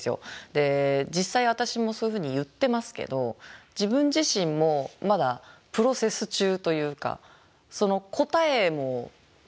実際私もそういうふうに言ってますけど自分自身もまだプロセス中というかその答えも見つかってないんですよね